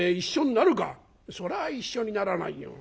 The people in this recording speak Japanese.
「そりゃ一緒にならないよ。